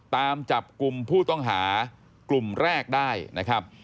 ตามจับกลุ่มผู้ต้องหากลุ่มแรกได้นะครับ